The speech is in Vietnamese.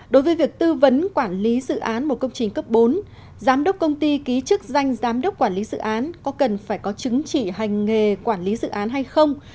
đối với việc tư vấn quản lý dự án một công trình cấp bốn giám đốc công ty ký chức danh giám đốc quản lý dự án có cần phải có chứng chỉ hành nghề quản lý dự án hay không